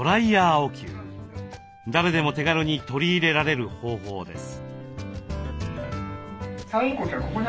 誰でも手軽に取り入れられる方法です。